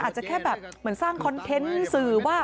อาจจะแค่แบบเหมือนสร้างคอนเทนต์สื่อว่า